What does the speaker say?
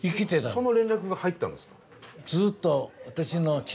その連絡が入ったんですか？